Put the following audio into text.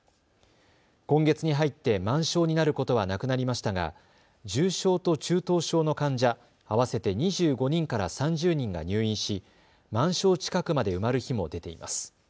今月に入って満床になることはなくなりましたが重症と中等症の患者、合わせて２５人から３０人が入院し満床近くまで埋まる日も出ています。